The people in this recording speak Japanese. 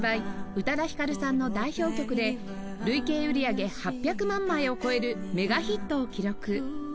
宇多田ヒカルさんの代表曲で累計売り上げ８００万枚を超えるメガヒットを記録